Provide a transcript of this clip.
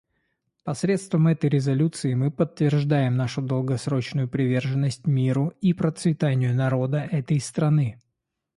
Посредством этой резолюции мы подтверждаем нашу долгосрочную приверженность миру и процветанию народа этой страны.